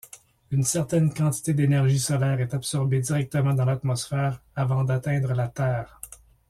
Une certaine quantité d'énergie solaire est absorbée directement dans l'atmosphère avant d'atteindre la terre.